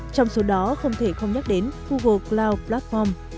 trong số đó không thể không nhắc đến google cloud platform